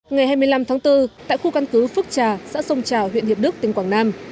ngày hai mươi năm tháng bốn tại khu căn cứ phước trà xã sông trà huyện hiệp đức tỉnh quảng nam